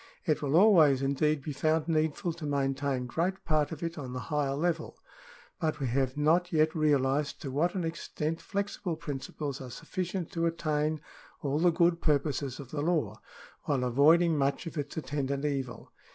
It will always, indeed, be found needful to maintain great part of it on the higher level, but we have not yet realised to what an extent flexible principles are sufficient to attain all the good purposes of the law, while avoiding much of its attendant evil.